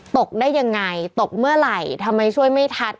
ตกได้ยังไงตกเมื่อไหร่ทำไมช่วยไม่ทัน